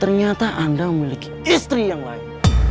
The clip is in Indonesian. ternyata anda memiliki istri yang lain